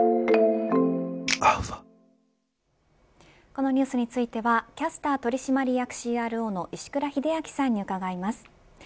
このニュースについてはキャスター取締役ＣＲＯの石倉秀明さんに伺います。